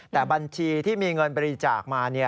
แต่บัญชีที่มีเงินบริจาคมา